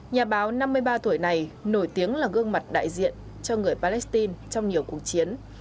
nhà báo năm mươi ba tuổi này nổi tiếng là gương mặt đại diện cho người palestine trong nhiều cuộc chiến